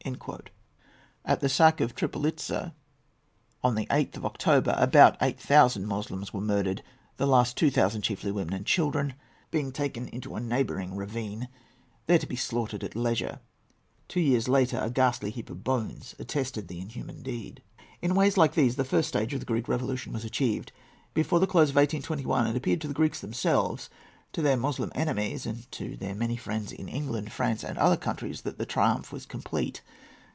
"[A] At the sack of Tripolitza, on the 8th of October, about eight thousand Moslems were murdered, the last two thousand, chiefly women and children, being taken into a neighbouring ravine, there to be slaughtered at leisure. Two years afterwards a ghastly heap of bones attested the inhuman deed. [Footnote A: Finlay, vol. i.; p. 263, citing Phrantzes.] In ways like these the first stage of the Greek Revolution was achieved. Before the close of 1821, it appeared to the Greeks themselves, to their Moslem enemies, and to their many friends in England, France, and other countries, that the triumph was complete.